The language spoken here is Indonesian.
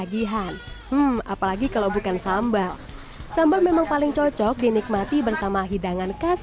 tagihan apalagi kalau bukan sambal sambal memang paling cocok dinikmati bersama hidangan khas